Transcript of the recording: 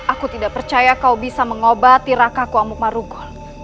aku tidak percaya kau bisa mengobati rakaku amuk marugol